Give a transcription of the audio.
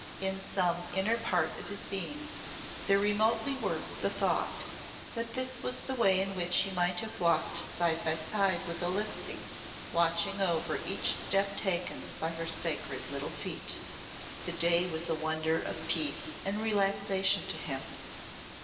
In some inner part of his being there remotely worked the thought that this was the way in which he might have walked side by side with Alixe, watching over each step taken by her sacred little feet. The day was a wonder of peace and relaxation to him.